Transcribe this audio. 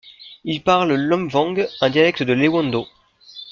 Ils parlent l'omvang, un dialecte de l'ewondo.